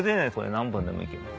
何本でも行けます。